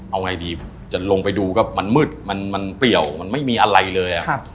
เอาไงดีจะลงไปดูก็มันมืดมันเปรียวมันไม่มีอะไรเลย